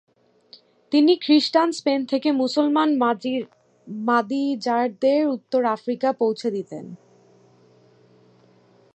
তিনি খ্রিস্টান স্পেন থেকে মুসলমান মাদিজারদের উত্তর আফ্রিকা পৌঁছে দিতেন।